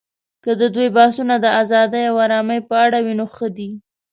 که د دوی بحثونه د ابادۍ او ارامۍ په اړه وي، نو ښه دي